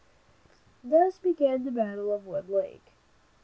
Thus began the battle of Wood Lake.